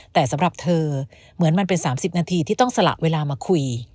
แต่สำหรับเธอเหมือนมันเป็น๓๐นาทีที่ต้องสละเวลามาคุย